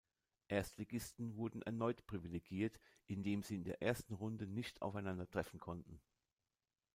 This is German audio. Erstligisten wurden erneut privilegiert, indem sie in der ersten Runde nicht aufeinandertreffen konnten.